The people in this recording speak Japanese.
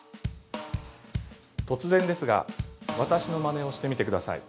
◆突然ですが、私のまねをしてみてください。